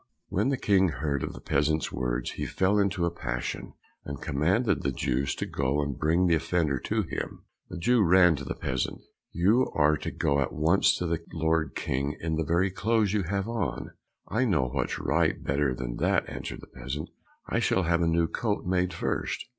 When the King heard of the peasant's words he fell into a passion, and commanded the Jew to go and bring the offender to him. The Jew ran to the peasant, "You are to go at once to the lord King in the very clothes you have on." "I know what's right better than that," answered the peasant, "I shall have a new coat made first.